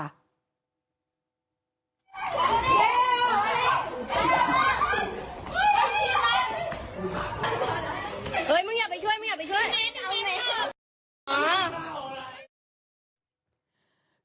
คือคลิปเหตุการณ์นี้นะคะผู้ปกครองของน้องนักเรียนหญิงอายุสิบสอง